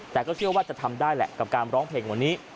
แต่ก็เชื่อว่าจะทำได้แหละกับการร้องเพลงวันนี้